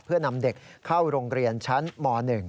เพื่อนำเด็กเข้าโรงเรียนชั้นม๑